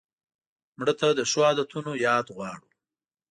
مړه ته د ښو عادتونو یاد غواړو